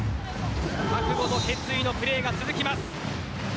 決意のプレーが続きます。